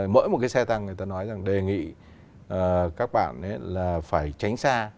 mỗi một cái xe tăng người ta nói rằng đề nghị các bạn là phải tránh xa